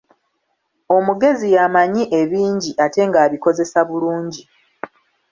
Omugezi y'amanyi ebingi ate ng'abikozesa bulungi.